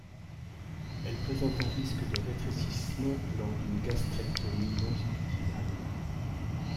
Elle présente un risque de rétrécissement lors d'un gastrectomie longitudinale.